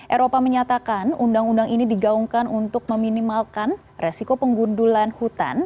eropa menyatakan undang undang ini digaungkan untuk meminimalkan resiko pengundulan hutan